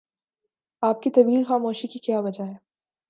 آپ کی طویل خاموشی کی کیا وجہ ہے؟